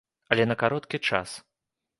Але на кароткі час.